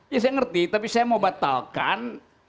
ya saya ngerti tapi saya mau batalkan